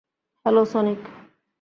Hello, Sonic.